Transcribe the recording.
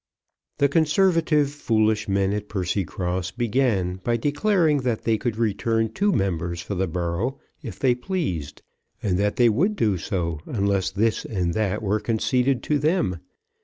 The conservative foolish men at Percycross began by declaring that they could return two members for the borough if they pleased, and that they would do so, unless this and that were conceded to them.